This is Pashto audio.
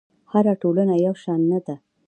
هره ټولنه یو شان نه ده.